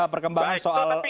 perkembangan soal ini